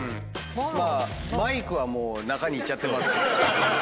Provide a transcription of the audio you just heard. まあマイクはもう中にいっちゃってますけど。